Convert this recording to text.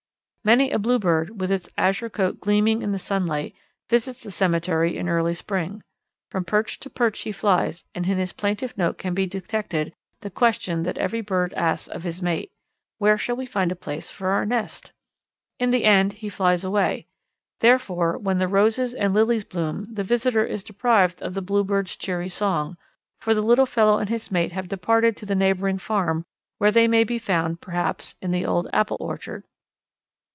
Many a Bluebird, with its azure coat gleaming in the sunlight, visits the cemetery in early spring. From perch to perch he flies, and in his plaintive note can be detected the question that every bird asks of his mate: "Where shall we find a place for our nest?" In the end he flies away. Therefore when the roses and lilies bloom the visitor is deprived of the Bluebird's cheery song, for the little fellow and his mate have departed to the neighbouring farm where they may be found, perhaps, in the old apple orchard.